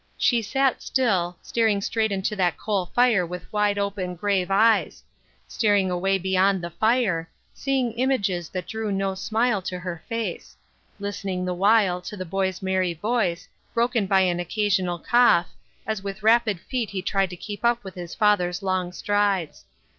She sat still, staring straight into that coal fire with wide open, grave eyes ; staring away beyond the fire ; seeing images that drew no smile to her face ; listening the while to the boy's merry voice, broken by an occasional cough, as with rapid feet AFTER SIX YEARS. 7 he tried to keep up with his father's long strides.